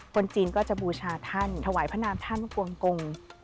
คนจีนก็จะบูชาท่านถวายพระนามท่านกวงกง